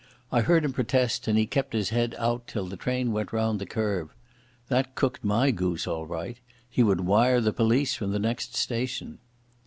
I heard him protest, and he kept his head out till the train went round the curve. That cooked my goose all right. He would wire to the police from the next station.